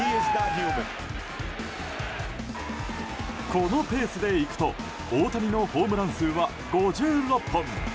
このペースでいくと大谷のホームラン数は５６本。